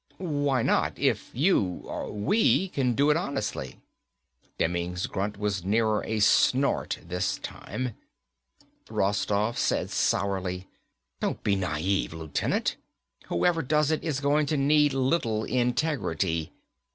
"Why not, if you or we can do it honestly?" Demming's grunt was nearer a snort this time. Rostoff said sourly, "Don't be naive, Lieutenant. Whoever does it, is going to need little integrity.